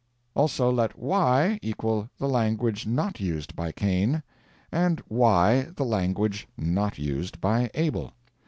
Also, let y=the language not used by Cain, and y, the language not used by Abel.